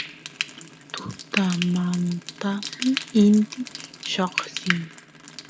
tutamantapi inti lloqsin